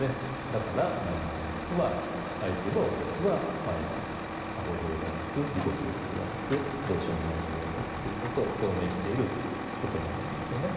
だから南無阿弥陀仏はあえて言えば私は毎日アホでございます自己中でございますどうしようもない人間ですということを表明している言葉なんですよね。